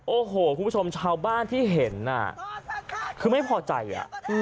โอ้โหคุณผู้ชมชาวบ้านที่เห็นน่ะคือไม่พอใจอ่ะ